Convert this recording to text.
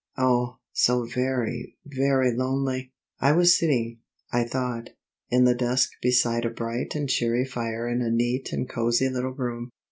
Oh, so very, very lonely! I was sitting, I thought, in the dusk beside a bright and cheery fire in a neat and cosy little room.